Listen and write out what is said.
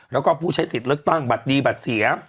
แล้วก็ผู้ใช้สิทธิ์เลือกตั้งบัตรดีบัตรเสีย